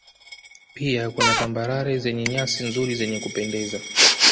Pia kuna Tambarare zenye nyasi nzuri zenye kupendeza